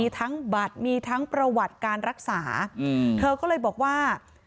ทั้งบัตรมีทั้งประวัติการรักษาเธอก็เลยบอกว่า